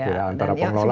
antara pengelola dan